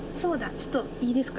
ちょっといいですか？